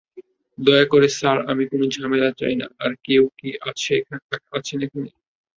দয়া করে স্যার আমি কোন ঝামেলা চাইনা আর কেউ কি এখানে আছেন?